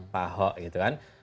pak ahok gitu kan